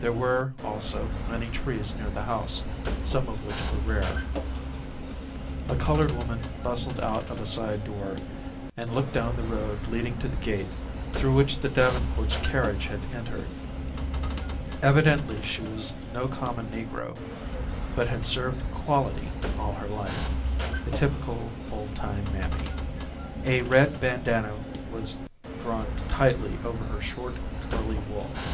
There were, also, many trees near the house, some of which were rare. [Illustration: Beth's new home. (Illustration missing from book)] A colored woman bustled out of a side door, and looked down the road leading to the gate through which the Davenports' carriage had entered. Evidently, she was no common negro, but had served "quality" all her life a typical old time mammy. A red bandanna was drawn tightly over her short curly wool.